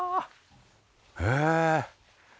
へえ。